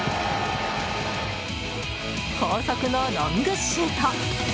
高速のロングシュート！